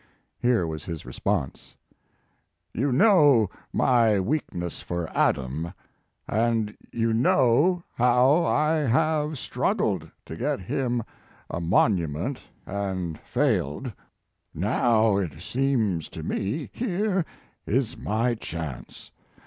Here was his response: "You know my weakness for Adam, and you know how I have struggled to get him a monument and failed. Now, it seems to me, here is my chance.